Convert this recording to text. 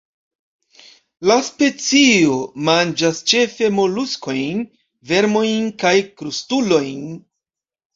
La specio manĝas ĉefe moluskojn, vermojn kaj krustulojn.